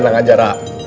lo tenang aja ra